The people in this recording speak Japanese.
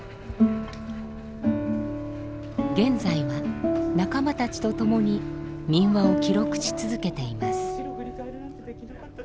現在は仲間たちとともに民話を記録し続けています。